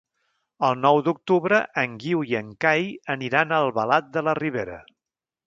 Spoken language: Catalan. El nou d'octubre en Guiu i en Cai aniran a Albalat de la Ribera.